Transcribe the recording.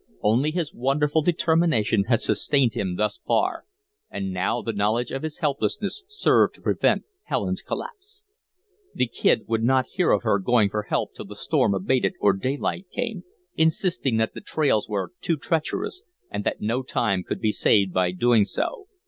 Only his wonderful determination had sustained him thus far, and now the knowledge of his helplessness served to prevent Helen's collapse. The Kid would not hear of her going for help till the storm abated or daylight came, insisting that the trails were too treacherous and that no time could be saved by doing so.